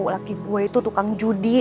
laki gue itu tukang judi